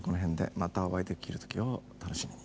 またお会いできる時を楽しみに。